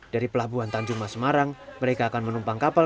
dari pelabuhan tanjung mas semarang mereka akan menumpang kapal